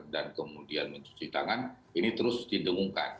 dan kemudian mencuci tangan ini terus didengungkan